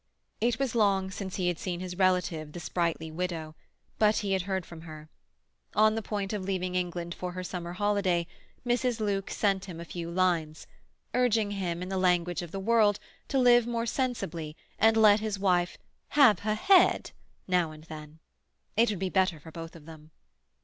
It was long since he had seen his relative, the sprightly widow; but he had heard from her. On the point of leaving England for her summer holiday, Mrs. Luke sent him a few lines, urging him, in the language of the world, to live more sensibly, and let his wife "have her head" now and then; it would be better for both of them.